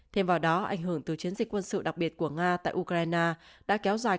thêm vào đó ảnh hưởng từ chiến dịch quân sự đặc biệt của nga tại ukraine đã kéo dài